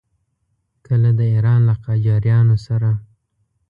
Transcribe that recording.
کله د ایران له قاجاریانو سره.